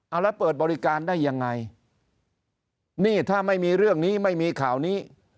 เอาแล้วเปิดบริการได้ยังไงนี่ถ้าไม่มีเรื่องนี้ไม่มีข่าวนี้